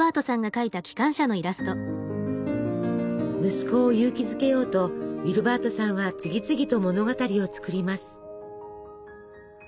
息子を勇気づけようとウィルバートさんは次々と物語を作ります。